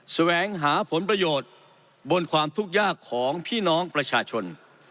แสวงหาผลประโยชน์บนความทุกข์ยากของพี่น้องประชาชน